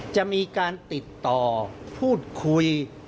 จะมีการติดต่อพูดคุย